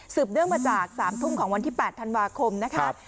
เนื่องมาจาก๓ทุ่มของวันที่๘ธันวาคมนะครับ